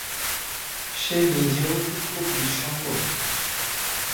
সে নিজেও কি খুব নিঃসঙ্গ?